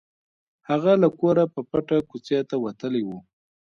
هغه له کوره په پټه کوڅې ته وتلی و